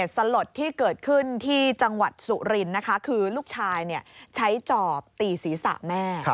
สลดที่เกิดขึ้นที่จังหวัดสุรินทร์นะคะคือลูกชายใช้จอบตีศีรษะแม่